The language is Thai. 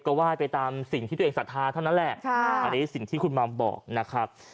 ก็ไหว้ไปตามสิ่งที่ตัวเองศรัทธาเท่านั้นแหละอันนี้สิ่งที่คุณมัมบอกนะครับ